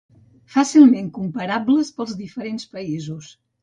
Fàcilment comparables per diferents països.